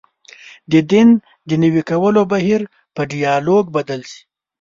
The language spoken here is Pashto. د دین د نوي کولو بهیر په ډیالوګ بدل شي.